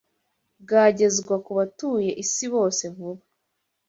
bwagezwa ku batuye isi bose vuba!